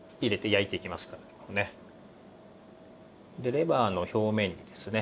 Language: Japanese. レバーの表面にですね